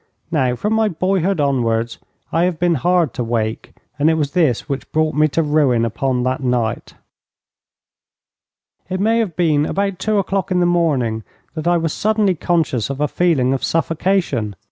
Now, from my boyhood onwards, I have been hard to wake, and it was this which brought me to ruin upon that night. It may have been about two o'clock in the morning that I was suddenly conscious of a feeling of suffocation.